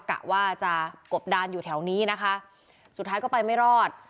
กะว่าจะกบดานอยู่แถวนี้นะคะสุดท้ายก็ไปไม่รอด